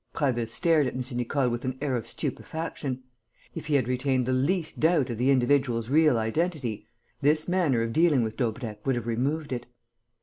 Prasville stared at M. Nicole with an air of stupefaction. If he had retained the least doubt of the individual's real identity, this manner of dealing with Daubrecq would have removed it.